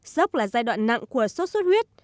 sốc là giai đoạn nặng của sốt xuất huyết